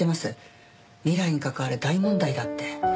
未来に関わる大問題だって。